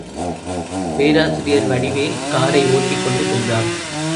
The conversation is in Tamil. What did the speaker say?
பேராசிரியர் வடிவேல் காரை ஓட்டிக்கொண்டு சென்றார்.